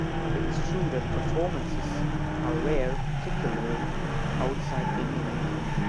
It is true that performances are rare, particularly outside England.